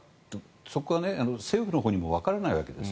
そこが政府のほうにもわからないわけです。